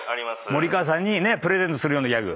森川さんにプレゼントするようなギャグ。